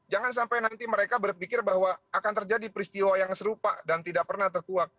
jangan sampai nanti mereka berpikir bahwa akan terjadi peristiwa yang serupa dan tidak pernah terkuak